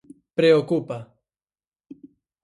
Preocupa.